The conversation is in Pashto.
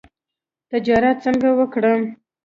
تجارت څنګه وکړو؟